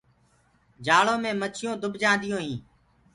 جآݪو مي مڇيونٚ دُب جآنديو هينٚ۔